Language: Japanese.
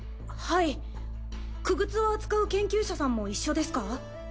はい傀儡を扱う研究者さんも一緒ですか？